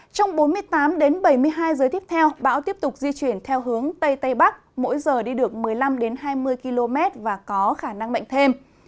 trong bốn mươi tám bảy mươi hai giờ tiếp theo bão tiếp tục di chuyển theo hướng tây tây bắc mỗi giờ đi được một mươi năm hai mươi km và có khả năng mạnh thêm